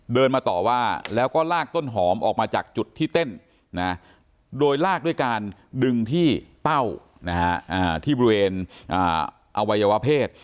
เดินมาต่อว่าแล้วก็ลากต้นหอมออกมาจากจุดที่เต้นโดยลากด้วยการดึงที่เป้าที่บริเวณอวัยวะเพศ